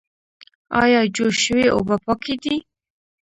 ایا جوش شوې اوبه پاکې دي؟